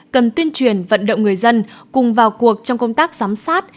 cần tuyên truyền vận động người dân cùng vào cuộc trong công tác giám sát